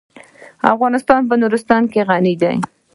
افغانستان په نورستان غني دی.